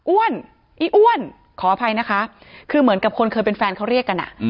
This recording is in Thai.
อีอ้วนขออภัยนะคะคือเหมือนกับคนเคยเป็นแฟนเขาเรียกกัน